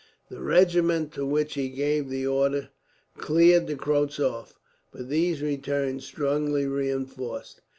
The regiment to which he gave the order cleared the Croats off; but these returned, strongly reinforced.